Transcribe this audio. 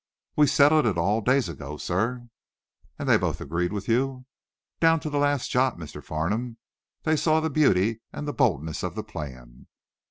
"We settled it all, days ago, sir." "And they both agreed with you?" "Down to the last jot, Mr. Farnum. They saw the beauty and the boldness of the plan."